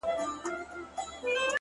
نه؛ مزل سخت نه و، آسانه و له هري چاري،